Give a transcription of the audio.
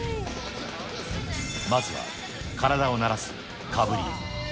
まずは、体を慣らすかぶり湯。